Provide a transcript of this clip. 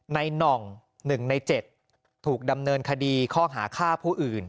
ในหน่องหนึ่งในเจ็ดถูกดำเนินคดีข้อหาค่าผู้อื่น